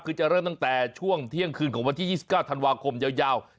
คือจะเริ่มตั้งแต่ช่วงเที่ยงคืนของวันที่๒๙ธันวาคมยาว